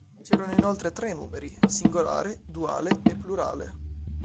C'erano inoltre tre numeri: "singolare, duale" e "plurale".